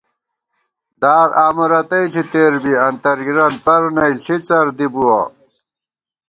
دار آمہ رتئی ݪی تېر بی انتَر گِرَن پر نئ ݪِڅر دِبُوَہ